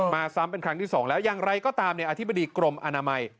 ซ้ำเป็นครั้งที่สองแล้วอย่างไรก็ตามอธิบดีกรมอนามัย